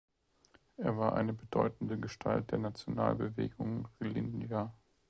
Er war eine bedeutende Gestalt der Nationalbewegung Rilindja.